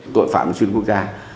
tội phạm xuyên quốc gia